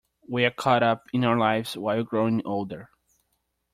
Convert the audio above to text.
We are caught up in our lives while growing older.